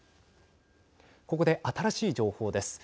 ここで新しい情報です。